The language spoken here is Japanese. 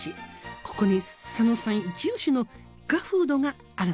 ここに佐野さんイチ推しのイカフードがあるんです。